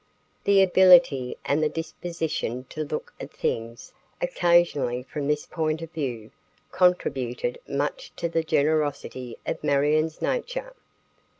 The ability and the disposition to look at things occasionally from this point of view contributed much to the generosity of Marion's nature.